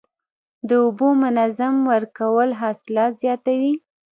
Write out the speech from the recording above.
د اوبو منظم ورکول حاصلات زیاتوي.